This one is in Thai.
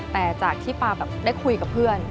แต่จากที่ป๊าแบบได้คุยกับเพื่อน